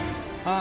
あ！